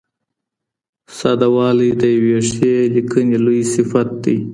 ساده والی د یوې ښې لیکنې لوی صفت دئ.